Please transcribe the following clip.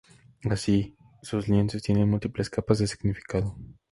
Así, sus lienzos tienen múltiples capas de significado.